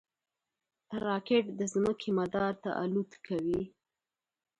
راکټ د ځمکې مدار ته الوت کوي